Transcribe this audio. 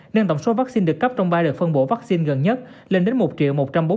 nên tổng số vaccine được cấp trong ba đợt phân bổ vaccine gần nhất lên đến một một trăm bốn mươi tám năm trăm linh liều